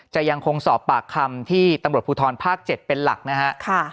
จะยังคงสอบปากคำที่ตำรวจภูทรภาค๗เป็นหลักนะฮะ